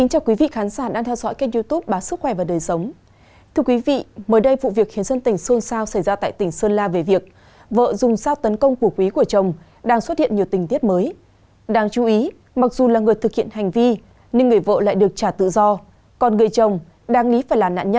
hãy đăng ký kênh để ủng hộ kênh của chúng mình nhé